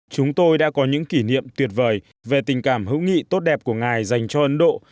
chúng tôi đã có những kỷ niệm tuyệt vời về tình cảm hữu nghị tốt đẹp của ngài dành cho ấn độ